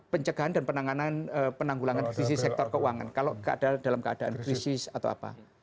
pencegahan dan penanganan penanggulangan krisis sektor keuangan kalau dalam keadaan krisis atau apa